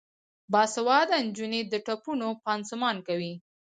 باسواده نجونې د ټپونو پانسمان کوي.